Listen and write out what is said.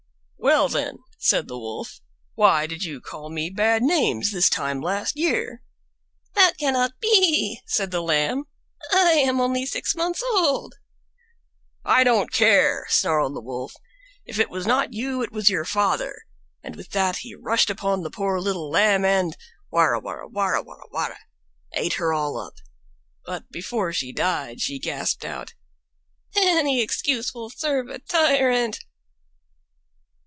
"Well, then," said the Wolf, "why did you call me bad names this time last year?" "That cannot be," said the Lamb; "I am only six months old." "I don't care," snarled the Wolf; "if it was not you it was your father;" and with that he rushed upon the poor little Lamb and— WARRA WARRA WARRA WARRA WARRA— ate her all up. But before she died she gasped out— "ANY EXCUSE WILL SERVE A TYRANT."